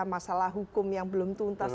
masalah hukum yang belum tuntas